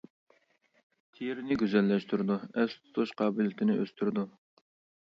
تېرىنى گۈزەللەشتۈرىدۇ، ئەستە تۇتۇش قابىلىيىتىنى ئۆستۈرىدۇ.